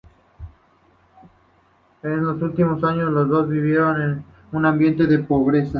En sus últimos años los dos vivieron en un ambiente de pobreza.